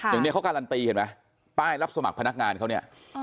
อย่างนี้เขาการันตีเห็นไหมป้ายรับสมัครพนักงานเขาเนี่ย